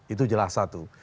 itu jelas satu